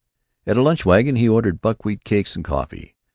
At a lunch wagon he ordered buckwheat cakes and coffee.